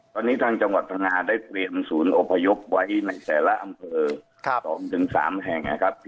ตอนนี้ทางจังหวัดพังงาได้เตรียมศูนย์อพยพไว้ในแต่ละอำเภอ๒๓แห่งนะครับ